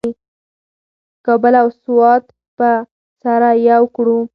کابل او سوات به سره یو کړو.